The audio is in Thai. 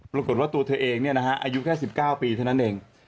ปรากฏว่าตัวเธอเองอายุแค่๑๙ปีเท่านั้นเอง